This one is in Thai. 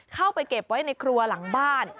เข้าไปเก็บไว้ในครัวหลังบ้าน